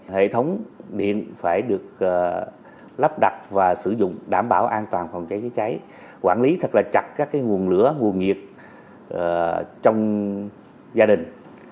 hệ thống điện phải được lắp đặt và sử dụng đảm bảo an toàn phòng cháy chữa cháy quản lý thật là chặt các nguồn lửa nguồn nhiệt trong gia đình